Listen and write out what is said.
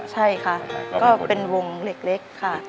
ใช่ค่ะก็เป็นวงเล็กค่ะ